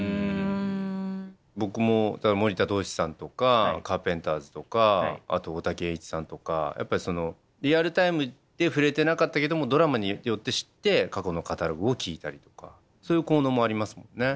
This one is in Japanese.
僕も森田童子さんとかカーペンターズとかあと大滝詠一さんとかやっぱりそのリアルタイムで触れてなかったけどもドラマによって知って過去のカタログを聴いたりとかそういう効能もありますもんね。